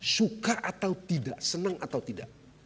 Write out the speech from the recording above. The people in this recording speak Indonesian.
suka atau tidak senang atau tidak